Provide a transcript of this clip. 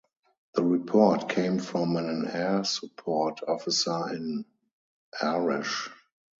The report came from an Air Support Officer in Arish.